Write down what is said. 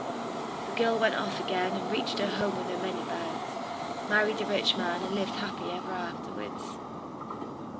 The girl then went off again, and reached her home with her money bags, married a rich man, and lived happy ever afterwards.